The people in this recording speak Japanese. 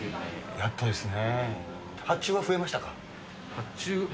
やっとですね。